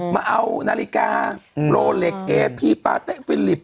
มาเอานาฬิกาโปรเหละเกตพีรป้าเตะฟิลิปต์